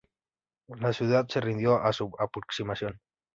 La ciudad se rindió a su aproximación.